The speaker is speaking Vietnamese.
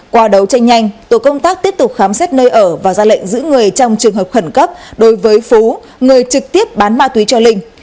qua đấu tranh nhanh tổ công tác tiếp tục khám xét nơi ở và ra lệnh giữ người trong trường hợp khẩn cấp đối với phú người trực tiếp bán ma túy cho linh